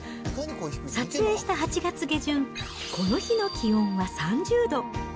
撮影した８月下旬、この日の気温は３０度。